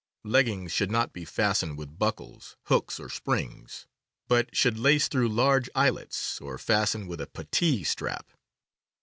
Leggings should not be fastened with buckles, hooks, or springs, but should lace through large eyelets or fasten with a puttee strap.